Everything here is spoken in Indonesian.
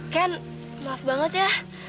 ken maaf banget ya